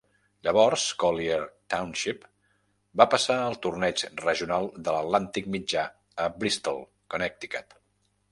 Llavors, Collier Township va passar al Torneig Regional de l'Atlàntic Mitjà a Bristol, Connecticut.